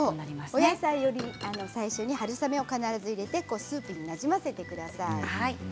お野菜より先に春雨を入れて、スープになじませてください。